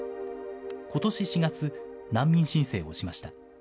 ことし４月、難民申請をしました。